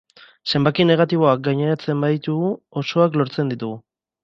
Zenbaki negatiboak gaineratzen ba ditugu, osokoak lortzen ditugu.